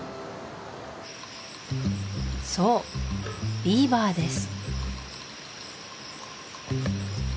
そうビーバーです